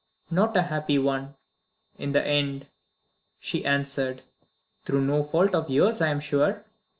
"Not a happy one in the end," she answered. "Through no fault of yours, I am sure?"